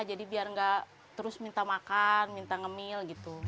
jadi biar nggak terus minta makan minta ngemil